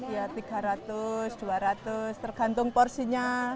ya tiga ratus dua ratus tergantung porsinya